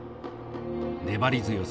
粘り強さ